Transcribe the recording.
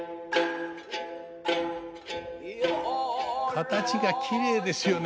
形がきれいですよね。